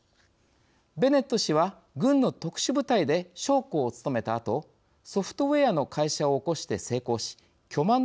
ベネット氏は軍の特殊部隊で将校を務めたあとソフトウエアの会社を興して成功し巨万の富を築きました。